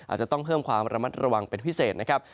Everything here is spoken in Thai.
อาจจะต้องเพิ่มความระมัดระวังเป็นพิเศษนะครับ